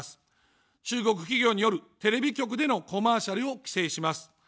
中国企業によるテレビ局でのコマーシャルを規制します。